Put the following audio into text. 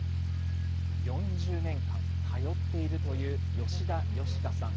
４０年間通っているという吉田よしかさん。